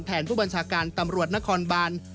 ผู้บัญชาการตำรวจนครบาน